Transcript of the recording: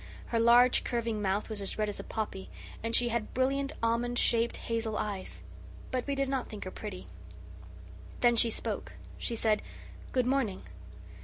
Her large, curving mouth was as red as a poppy, and she had brilliant, almond shaped, hazel eyes; but we did not think her pretty. Then she spoke; she said, "Good morning."